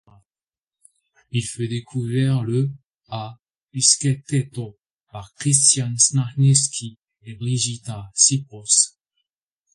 Il fut découvert le à Piszkéstető par Krisztián Sárneczky et Brigitta Sipőcz.